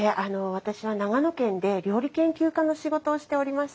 私は長野県で料理研究家の仕事をしておりました。